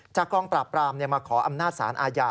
กองปราบปรามมาขออำนาจสารอาญา